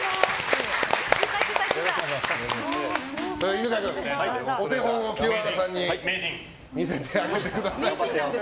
犬飼君、お手本を清原さんに見せてあげてください。